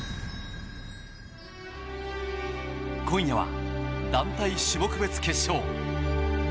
今夜は団体種目別決勝。